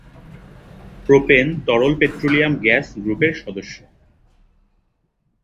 Propane তরল petroleum gas গ্রুপের সদস্য।